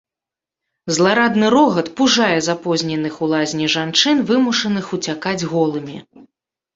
Зларадны рогат пужае запозненых у лазні жанчын, вымушаных уцякаць голымі.